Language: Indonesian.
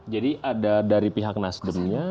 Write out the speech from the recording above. jadi ada dari pihak nasdem nya